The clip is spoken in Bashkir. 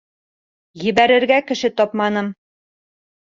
Ебәрергә кеше тапманым.